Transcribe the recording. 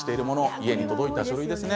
家に届いた書類ですね。